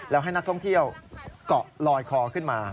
แล้วให้นักท่องเที่ยวเกาะลอยคอขึ้นมา